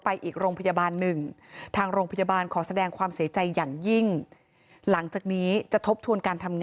เพราะฉะนั้นน้องก็อยู่เวรนประมาณ๑